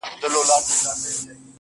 د قدرت وږي لکه ځګ په سمندر پروت ده